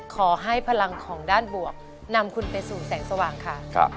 พลังของด้านบวกนำคุณไปสู่แสงสว่างค่ะ